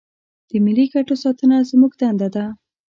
د ملي ګټو ساتنه زموږ دنده ده.